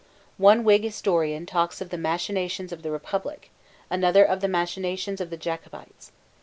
One Whig historian talks of the machinations of the republicans, another of the machinations of the Jacobites.